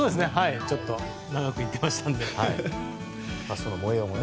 ちょっと長く行っていましたので。